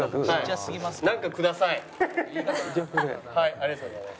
ありがとうございます。